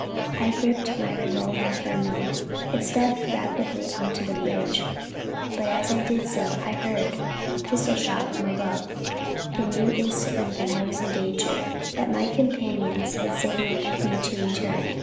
I gripped my revolver firmly, and stepped rapidly on to the bridge; but as I did so I heard a pistol shot from above, and knew instantly that I was in danger that my companions had signalled me to return.